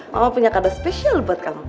mama punya kadar spesial buat kamu